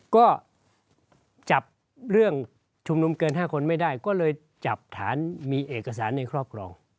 ก็จับเรื่องชุมนุมเกิน๕คนไม่ได้ก็เลยจับฐานมีเอกสารในครอบครอง